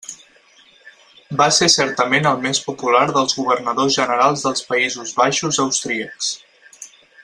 Va ser certament el més popular dels governadors generals dels Països Baixos austríacs.